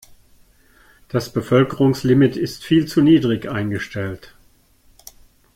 Das Bevölkerungslimit ist viel zu niedrig eingestellt.